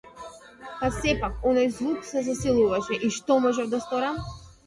Па сепак, оној звук се засилуваше - и што можев да сторам?